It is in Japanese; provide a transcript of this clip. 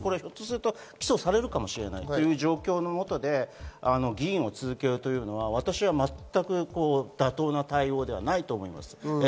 起訴されるかもしれないという状況の下で議員を続けるというのは私は妥当な対応ではないと思います。